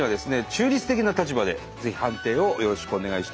中立的な立場でぜひ判定をよろしくお願いしたいと思います。